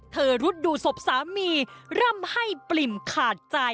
รุดดูศพสามีร่ำให้ปริ่มขาดใจ